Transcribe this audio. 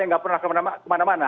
yang tidak pernah kemana mana